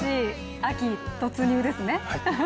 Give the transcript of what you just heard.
秋、突入ですね。